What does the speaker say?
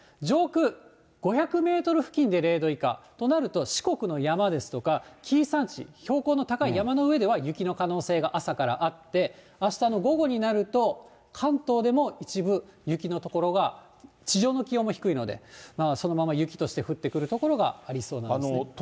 上空５００メートル付近で０度以下となると、四国の山ですとか紀伊山地、標高の高い山の上では、雪の可能性が朝からあって、あしたの午後になると、関東でも一部、雪の所が、地上の気温も低いので、そのまま雪として降ってくる所がありそうなんですね。